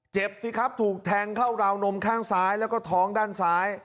สิครับถูกแทงเข้าราวนมข้างซ้ายแล้วก็ท้องด้านซ้าย